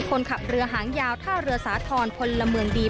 คนขับเรือหางยาวท่าเรือสาธรณ์พลเมืองดี